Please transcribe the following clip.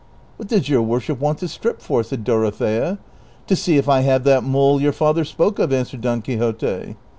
" What does your worship want to strip for ?" said Dorothea. " To see if I have that mole your father spoke of," answered Don Quixote.